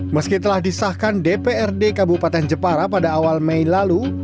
meski telah disahkan dprd kabupaten jepara pada awal mei lalu